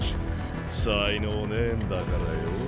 才能ねえんだからよぉ。